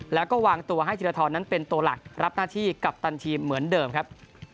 แล้วก็วางตัวให้ธีรทรนั้นเป็นตัวหลักรับหน้าที่กัปตันทีมเหมือนเดิมครับ